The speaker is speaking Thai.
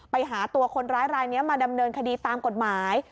ไปหาตัวคนร้ายรายนี้มาดำเนินคดีตามกฎหมาย